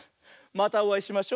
またおあいしましょ。